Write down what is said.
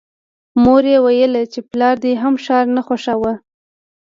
مور یې ویل چې پلار دې هم ښار نه خوښاوه